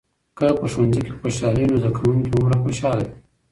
که په ښوونځي کې خوشالي وي، نو زده کوونکي هومره خوشحال دي.